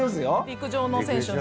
陸上の選手の。